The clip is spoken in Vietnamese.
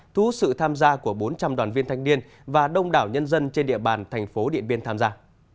thu sự tham gia của bốn trăm linh đoàn viên thanh niên và đông đảo nhân dân trên địa bàn thành phố điện biên tham gia